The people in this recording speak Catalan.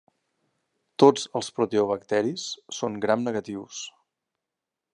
Tots els proteobacteris són gram-negatius.